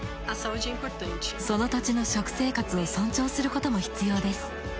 その土地の食生活を尊重することも必要です。